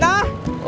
ga naik sepeda